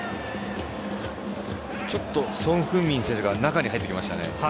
ちょっとソン・フンミン選手が中に入ってきましたね。